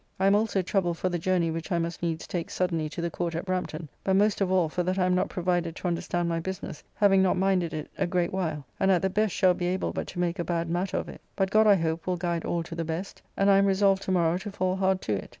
I am also troubled for the journey which I must needs take suddenly to the Court at Brampton, but most of all for that I am not provided to understand my business, having not minded it a great while, and at the best shall be able but to make a bad matter of it, but God, I hope, will guide all to the best, and I am resolved to morrow to fall hard to it.